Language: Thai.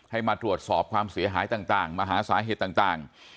มาตรวจสอบความเสียหายต่างมาหาสาเหตุต่าง